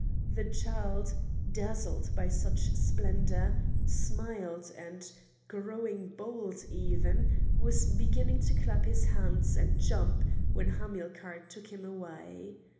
The child, dazzled by such splendour, smiled and, growing bold even, was beginning to clap his hands and jump, when Hamilcar took him away.